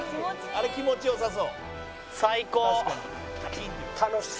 「あれ気持ち良さそう」